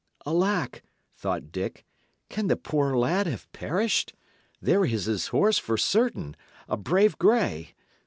"Alack!" thought Dick, "can the poor lad have perished? There is his horse, for certain a brave grey!